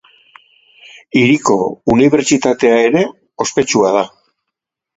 Hiriko unibertsitatea ere ospetsua da.